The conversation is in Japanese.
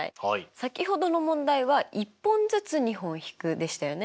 先ほどの問題は「１本ずつ２本引く」でしたよね。